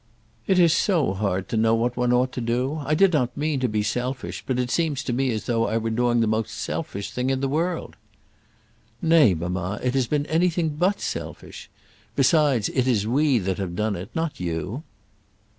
"It is so hard to know what one ought to do. I did not mean to be selfish, but it seems to me as though I were doing the most selfish thing in the world." "Nay, mamma; it has been anything but selfish. Besides, it is we that have done it; not you."